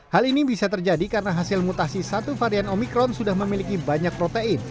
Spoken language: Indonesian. hal ini bisa terjadi karena hasil mutasi satu varian omikron sudah memiliki banyak protein